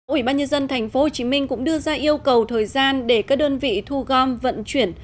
ủy ban nhân dân tp hcm cũng đưa ra yêu cầu thời gian để các đơn vị thu gom vận chuyển